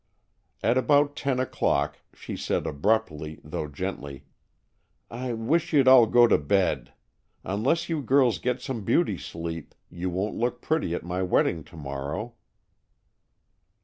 At about ten o'clock she said abruptly, though gently, "I wish you'd all go to bed. Unless you girls get some beauty sleep, you won't look pretty at my wedding to morrow."